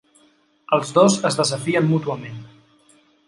Els dos es desafien mútuament.